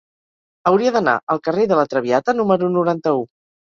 Hauria d'anar al carrer de La Traviata número noranta-u.